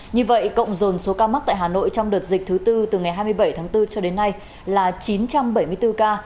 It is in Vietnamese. như vậy cộng dồn số ca mắc tại hà nội trong đợt dịch thứ tư từ ngày hai mươi bảy tháng bốn cho đến nay là chín trăm bảy mươi bốn ca